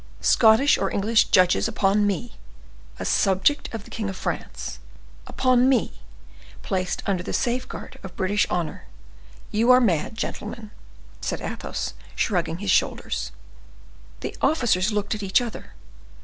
"Scottish or English judges upon me, a subject of the king of France; upon me, placed under the safeguard of British honor! You are mad, gentlemen!" said Athos, shrugging his shoulders. The officers looked at each other.